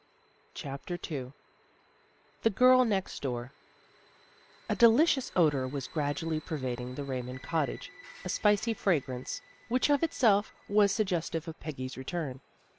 CHAPTER II THE GIRL NEXT DOOR A DELICIOUS odor was gradually pervading the Raymond cottage, a spicy fragrance which of itself was suggestive of Peggy's return.